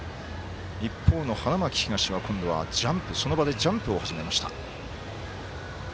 一方の花巻東は今度はその場でジャンプを始めました。